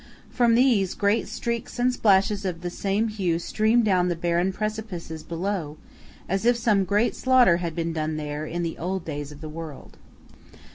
From these, great streaks and splashes of the same hue stream down the barren precipices below, as if some great slaughter had been done there, in the old days of the world.